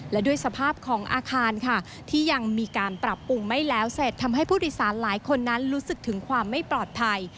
และด้วยสภาพของอาคารค่ะที่ยังมีการปรับปรุงไม่แล้วเสร็จทำให้ผู้โดยสารหลายคนนั้นรู้สึกถึงความไม่ปลอดภัย